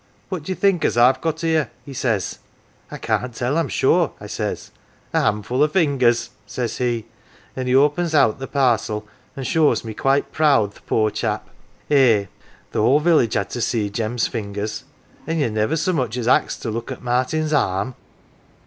'What do ye think as IVe got ""ere ?' he says. ' I can't tell, I'm sure,' I says. ' A handful o' fingers,' says he, an' he opens out the parcel an' shows me, quite proud, th' poor chap ! Eh ! the whole village had to see Jem's fingers An' ye niver so much as axed to look at Martin's arm